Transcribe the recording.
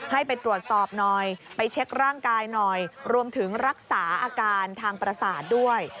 ให้ไปตรวจสอบหน่อยไปเช็คร่างกายหน่อยรวมถึงรักษาอาการทางประสาทด้วย